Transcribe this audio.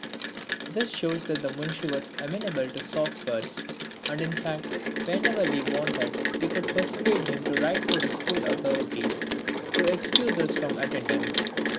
This shows that the Munshi was amenable to soft words; and in fact, whenever we wanted we could persuade him to write to the school authorities to excuse us from attendance.